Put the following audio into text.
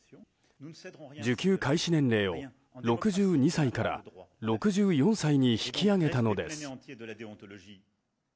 受給開始年齢を６２歳から６４歳に引き上げたのです。